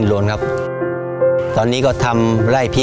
โปรดติดตามต่อไป